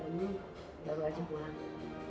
yaudah jor aku panggilin ya